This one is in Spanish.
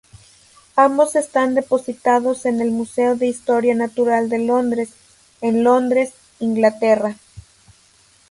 Ambos están depositados en el Museo de Historia Natural de Londres, en Londres, Inglaterra.